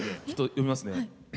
読みますね。